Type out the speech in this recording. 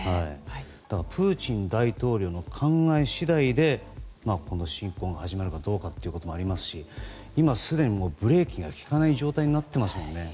プーチン大統領の考え次第でこの侵攻が始まるかどうかということもありますし今、すでにブレーキが利かない状態になっていますものね。